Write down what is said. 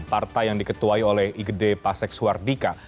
partai yang diketuai oleh igd pasek suardika